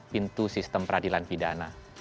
pintu sistem peradilan pidana